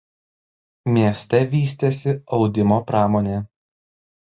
Mieste vystėsi audimo pramonė.